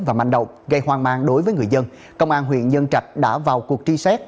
và manh động gây hoang mang đối với người dân công an huyện nhân trạch đã vào cuộc truy xét